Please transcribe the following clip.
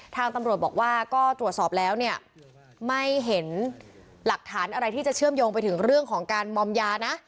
ทางตำรวจบอกว่าก็ตรวจสอบแล้วเนี่ยไม่เห็นหลักฐานอะไรที่จะเชื่อมโยงไปถึงเรื่องของการมอมยานะ